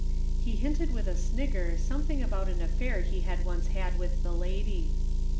He hinted with a snigger something about an affair he had once had with the lady.